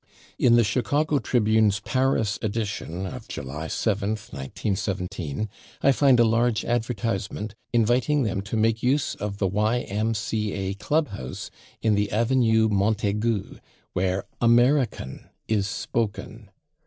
In the /Chicago Tribune's/ Paris edition of July 7, 1917, I find a large advertisement inviting them to make use of the Y. M. C. A. [Pg018] clubhouse in the Avenue Montaigue, "where /American/ is spoken."